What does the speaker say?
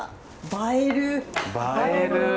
映える！